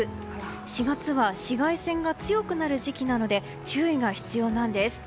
４月は紫外線が強くなる時期で注意が必要なんです。